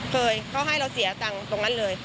เคยเขาให้เราเสียตังค์ตรงนั้นเลย